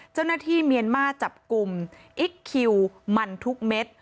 เจ้าหน้าที่เมียนมาร์จับกลุ่มอิคคิวมันทุกเม็ด